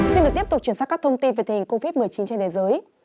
xin được tiếp tục chuyển sang các thông tin về tình hình covid một mươi chín trên thế giới